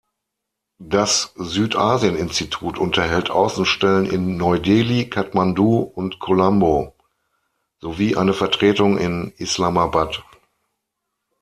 Das Südasien-Institut unterhält Außenstellen in Neu-Delhi, Kathmandu und Colombo sowie eine Vertretung in Islamabad.